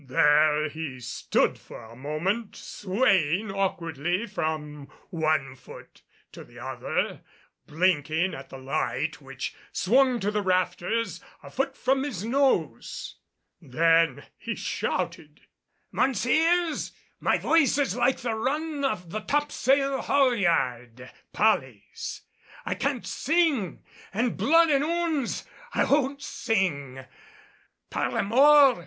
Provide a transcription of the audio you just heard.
There he stood for a moment swaying awkwardly from one foot to the other, blinking at the light which swung to the rafters a foot from his nose. Then he shouted, "Mounseers, my voice is like the run of the topsail haulyard pollys. I can't sing an' blood an' ouns! I won't sing." "Par la mort!